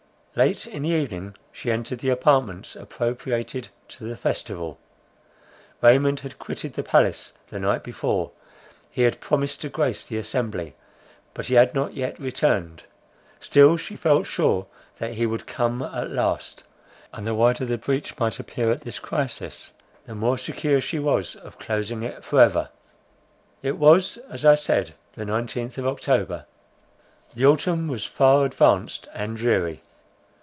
Late in the evening she entered the apartments appropriated to the festival. Raymond had quitted the palace the night before; he had promised to grace the assembly, but he had not yet returned. Still she felt sure that he would come at last; and the wider the breach might appear at this crisis, the more secure she was of closing it for ever. It was as I said, the nineteenth of October; the autumn was far advanced and dreary.